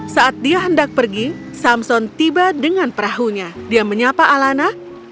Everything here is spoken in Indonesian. saat dia hendak pergi samson tiba dengan perahunya dia menyapa alana